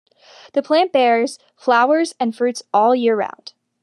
The plant bears flowers and fruits all year round.